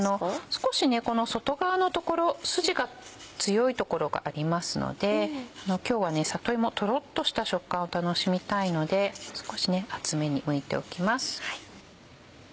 少しねこの外側の所スジが強い所がありますので今日は里芋とろっとした食感を楽しみたいので少し厚めにむいておきます。